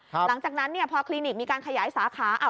หลังจากนั้นเนี่ยพอคลินิกมีการขยายสาขา